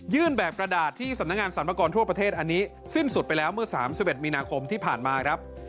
แบบกระดาษที่สำนักงานสรรพากรทั่วประเทศอันนี้สิ้นสุดไปแล้วเมื่อ๓๑มีนาคมที่ผ่านมาครับ